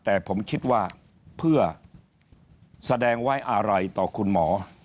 แต่ผมคิดว่าเพื่อแสดงไว้อะไรต่อคุณหมอ